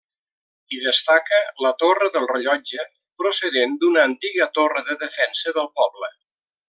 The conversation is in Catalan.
Hi destaca la Torre del Rellotge, procedent d'una antiga torre de defensa del poble.